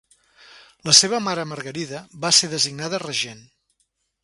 La seva mare Margarida va ser designada regent.